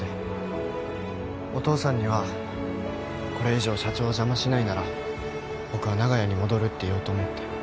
お父さんにはこれ以上社長を邪魔しないなら僕は長屋に戻るって言おうと思って。